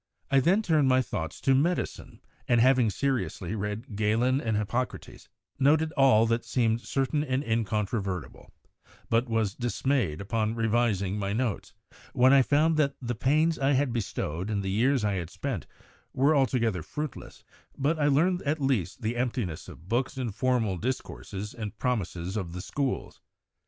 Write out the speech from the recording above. "I then turned my thoughts to medicine, and having seriously read Galen and Hippocrates, noted all that seemed certain and incontrovertible; but was dismayed upon revising my notes, when I found that the pains I had bestowed, and the years I had spent, were altogether fruitless; but I learned at least the emptiness of books and formal discourses and promises of the schools.